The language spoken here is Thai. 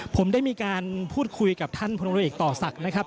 ผมได้มีการพูดคุยกับท่านพลเรือเอกต่อศักดิ์นะครับ